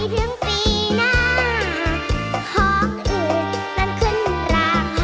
ร้องได้ไงล่ะ